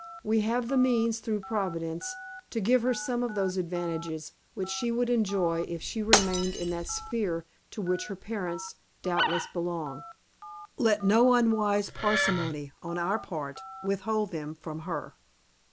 We have the means, through Providence, to give her some of those advantages which she would enjoy if she remained in that sphere to which her parents, doubtless, belong. Let no unwise parsimony, on our part, withhold them from her."